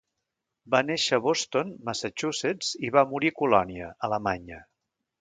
Va néixer a Boston, Massachusetts i va morir a Colònia, Alemanya.